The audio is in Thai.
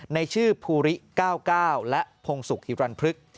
ในชื่อภูริ๙๙และพงศุกร์ฮิรันพฤกษ์